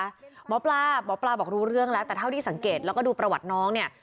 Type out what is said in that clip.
หมอปลาหมอปลาบอกรู้เรื่องแล้วแต่เท่าที่สังเกตแล้วก็ดูประวัติน้องเนี่ย